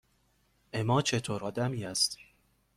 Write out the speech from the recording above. اِما چطور آدمی است؟